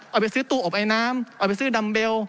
เอาไปซื้อตู้อบไอน้ำเอาไปซื้อดัมเบล